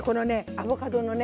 アボカドのね